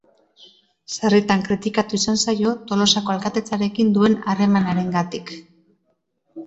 Sarritan kritikatu izan zaio Tolosako alkatetzarekin duen harremanarengatik.